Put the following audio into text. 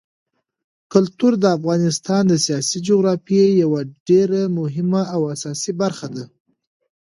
کلتور د افغانستان د سیاسي جغرافیې یوه ډېره مهمه او اساسي برخه ده.